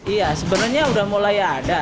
iya sebenarnya sudah mulai ada